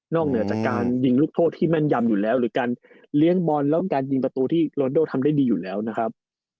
เหนือจากการยิงลูกโทษที่แม่นยำอยู่แล้วหรือการเลี้ยงบอลแล้วการยิงประตูที่โรนโดทำได้ดีอยู่แล้วนะครับ